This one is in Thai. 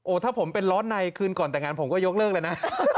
ถ้าผมเป็นร้อนในคืนก่อนแต่งงานผมก็ยกเลิกเลยนะ